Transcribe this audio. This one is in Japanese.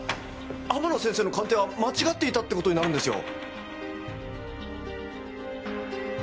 天野先生の鑑定は間違っていたって事になるんですよ。